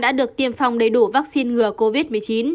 đã được tiêm phòng đầy đủ vaccine ngừa covid một mươi chín